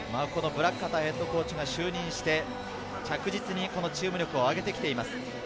ブラックアダーヘッドコーチが就任して着実にチーム力を上げてきています。